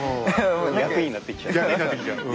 役になってきちゃってね。